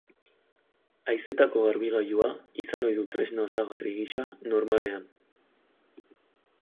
Haizetako-garbigailua izan ohi du tresna osagarri gisa normalean.